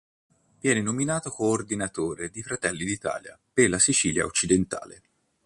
Viene nominato coordinatore di Fratelli d'Italia per la Sicilia occidentale.